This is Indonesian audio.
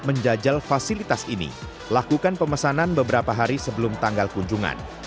jika anda tertarik menjajal fasilitas ini lakukan pemesanan beberapa hari sebelum tanggal kunjungan